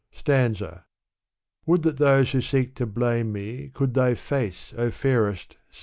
Stanza. Would that those who seek to blame me Could thy face, O fairest